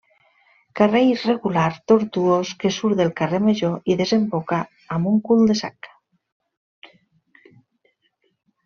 Carrer irregular, tortuós que surt del carrer major i desemboca amb un cul de sac.